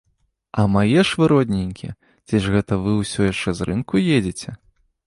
А мае ж вы родненькія, ці ж гэта вы ўсё яшчэ з рынку едзеце?